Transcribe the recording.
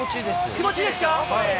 気持ちいいですか？